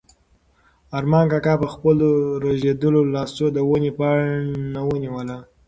ارمان کاکا په خپلو رېږدېدلو لاسو د ونې پاڼه ونیوله.